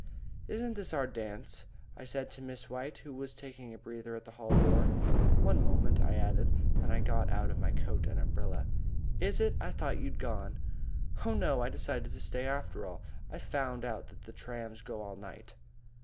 "Isn't this our dance?" I said to Miss White, who was taking a breather at the hall door. "One moment," I added and I got out of my coat and umbrella. "Is it? I thought you'd gone." "Oh, no, I decided to stay, after all. I found out that the trams go all night."